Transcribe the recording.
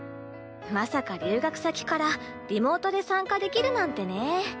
まさか留学先からリモートで参加できるなんてね。